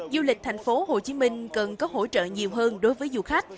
du lịch thành phố hồ chí minh cần có hỗ trợ nhiều hơn đối với du khách